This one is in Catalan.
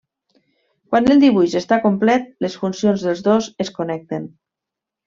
Quan el dibuix està complet, les funcions dels dos es connecten.